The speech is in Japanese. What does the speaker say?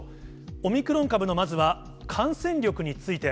オミクロン株のまずは感染力について。